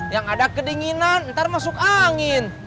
yang ada kedinginan ntar masuk angin